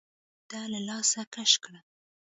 ده له لاسه کش کړه.